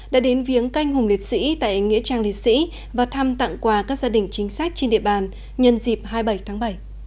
đã đến viếng canh hùng liệt sĩ tại nghĩa trang liệt sĩ và thăm tặng quà các gia đình chính sách trên địa bàn nhân dịp hai mươi bảy tháng bảy